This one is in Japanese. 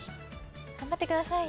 ・頑張ってください。